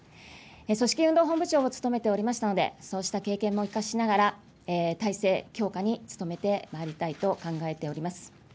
組織運動本部長も務めておりましたので、そうした経験も生かしながら、態勢強化に努めてまいりたいと考えております。